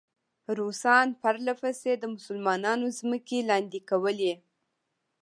روسان پرله پسې د مسلمانانو ځمکې لاندې کولې.